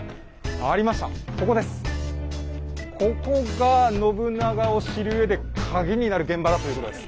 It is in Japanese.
ここが信長を知るうえでカギになる現場だということです。